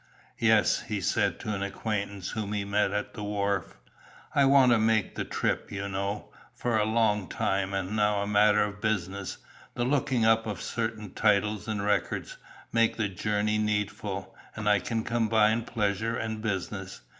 "Yes," he said to an acquaintance whom he met at the wharf. "I've wanted to make the trip, you know, for a long time, and now a matter of business, the looking up of certain titles and records, makes the journey needful, and I can combine pleasure and business."